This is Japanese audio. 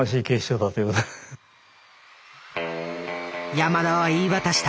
山田は言い渡した。